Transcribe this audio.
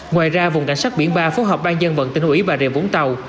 ngoài ra vùng cảnh sát biển ba phúc hợp ban dân vận tỉnh hủy và rìa vũng tàu